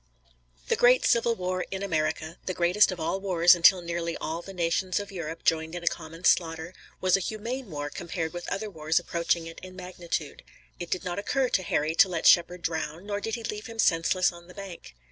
The great Civil War in America, the greatest of all wars until nearly all the nations of Europe joined in a common slaughter, was a humane war compared with other wars approaching it in magnitude. It did not occur to Harry to let Shepard drown, nor did he leave him senseless on the bank.